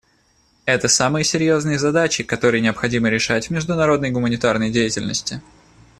Это самые серьезные задачи, которые необходимо решать в международной гуманитарной деятельности.